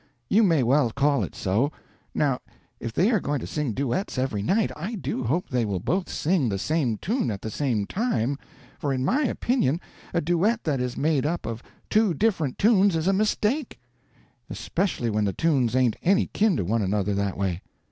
You may well call it so. Now if they are going to sing duets every night, I do hope they will both sing the same tune at the same time, for in my opinion a duet that is made up of two different tunes is a mistake; especially when the tunes ain't any kin to one another, that way."